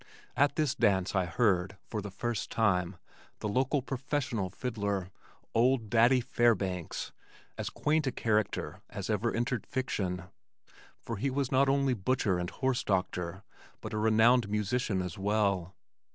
At this dance I heard, for the first time, the local professional fiddler, old Daddy Fairbanks, as quaint a character as ever entered fiction, for he was not only butcher and horse doctor but a renowned musician as well.